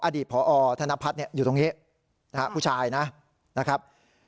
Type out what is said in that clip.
อดีตพอธนพัฒน์อยู่ตรงนี้นะฮะผู้ชายนะครับ